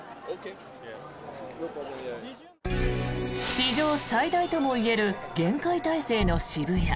史上最大ともいえる厳戒態勢の渋谷。